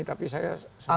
tapi saya sampaikan saja